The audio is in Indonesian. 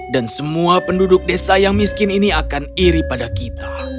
dan semua penduduk desa yang miskin ini akan iri pada kita